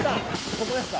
ここですか？